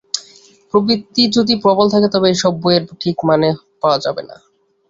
প্রবৃত্তি যদি প্রবল থাকে তবে এ-সব বইয়ের ঠিক মানে পাওয়া যাবে না।